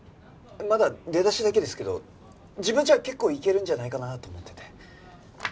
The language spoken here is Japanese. まだ出だしだけですけど自分じゃ結構いけるんじゃないかなと思ってて。